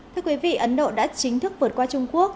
thưa quý vị ấn độ đã chính thức vượt qua trung quốc